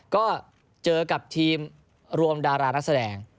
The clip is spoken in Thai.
ก็เจอกับทีมรวมดารานักแสดง